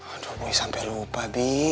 aduh gue sampe lupa bi